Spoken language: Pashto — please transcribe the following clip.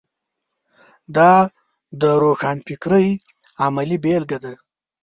دا د روښانفکرۍ عملي بېلګه ده.